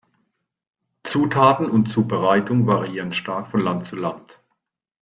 Zutaten und Zubereitung variieren stark von Land zu Land.